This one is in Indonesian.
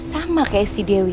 sama kayak si dewi